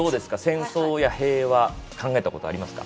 戦争や平和考えたことありますか？